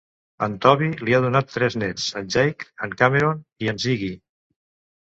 En Toby li ha donat tres néts, en Jake, en Cameron i en Ziggy.